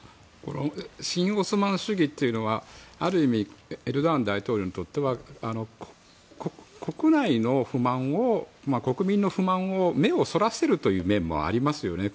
新オスマン主義というのはある意味エルドアン大統領にとっては国内の不満を国民の不満に目をそらせるという面もありますよね。